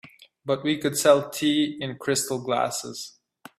But we could sell tea in crystal glasses.